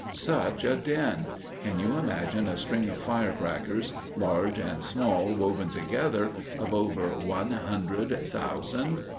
Such a din! Can you imagine a string of firecrackers, large and small woven together, of over one hundred thousand?